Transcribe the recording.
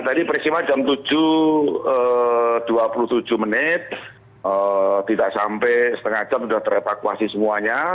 tadi peristiwa jam tujuh dua puluh tujuh menit tidak sampai setengah jam sudah terevakuasi semuanya